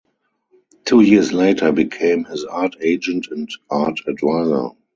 Two years later became his art agent and art advisor.